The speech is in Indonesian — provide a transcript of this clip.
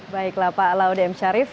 baiklah pak laude m syarif